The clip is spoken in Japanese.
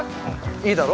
いいだろ？